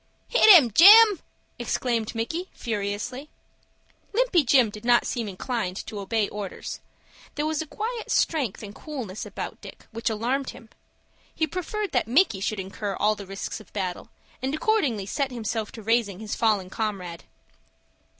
"Hit him, Jim!" exclaimed Micky, furiously. Limpy Jim did not seem inclined to obey orders. There was a quiet strength and coolness about Dick, which alarmed him. He preferred that Micky should incur all the risks of battle, and accordingly set himself to raising his fallen comrade.